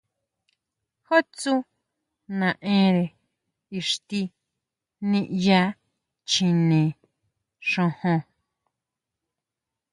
¿Jú tsú naʼenre ixtí niʼya chjine xojon?